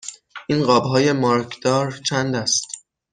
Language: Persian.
این قاب های مارکدار چند است؟